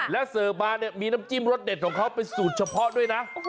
แล้วเสิร์ฟมาเนี่ยมีน้ำจิ้มรสเด็ดของเขาเป็นสูตรเฉพาะด้วยนะ